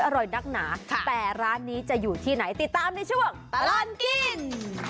นักหนาแต่ร้านนี้จะอยู่ที่ไหนติดตามในช่วงตลอดกิน